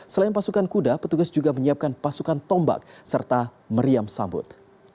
selain pasukan kuda petugas juga menyiapkan pasukan tombak serta meriam sambut